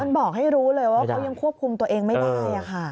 มันบอกให้รู้เลยว่าเขายังควบคุมตัวเองไม่ได้